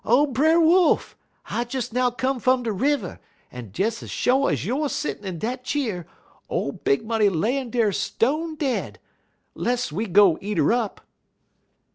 O Brer Wolf! I des now come fum de river, en des ez sho' ez youer settin' in dat cheer, ole Big Money layin' dar stone dead. Less we go eat 'er up.'